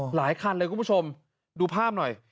หลายคันเลยคุณผู้ชมดูภาพหน่อย